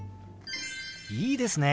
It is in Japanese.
いいですね！